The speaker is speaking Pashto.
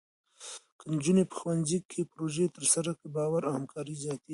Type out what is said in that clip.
که نجونې په ښوونځي کې پروژې ترسره کړي، باور او همکاري زیاتېږي.